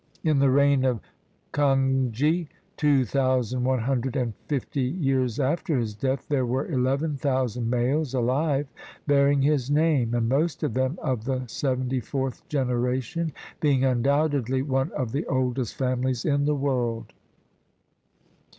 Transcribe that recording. In the reign of Kanghi, two thousand one hundred and fifty years after his death, there were eleven thousand males alive bearing his name, and most of them of the seventy fourth generation, being undoubtedly one of the oldest families in the world.